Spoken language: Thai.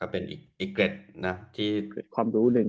เป็นอีกเกร็ดที่ความรู้หนึ่ง